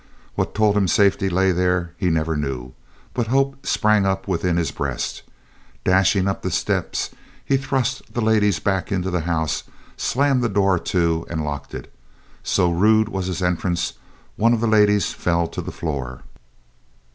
What told him safety lay there he never knew, but hope sprang up within his breast. Dashing up the steps, he thrust the ladies back into the house, slammed the door to, and locked it. So rude was his entrance, one of the ladies fell to the floor.